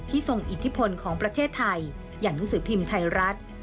ทรงอิทธิพลของประเทศไทยอย่างหนังสือพิมพ์ไทยรัฐ